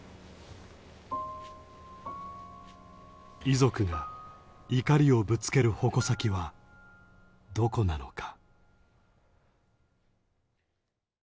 遺族が怒りをぶつける矛先はどこなのか？